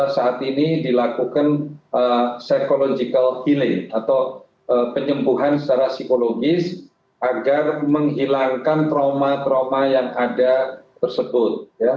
saat ini dilakukan psychological healing atau penyembuhan secara psikologis agar menghilangkan trauma trauma yang ada tersebut